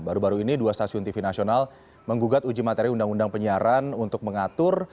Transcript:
baru baru ini dua stasiun tv nasional menggugat uji materi undang undang penyiaran untuk mengatur